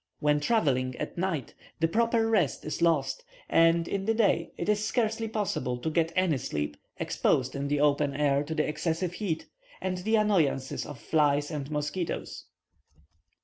When travelling at night the proper rest is lost, and in the day it is scarcely possible to get any sleep, exposed in the open air to the excessive heat, and the annoyances of flies and mosquitoes.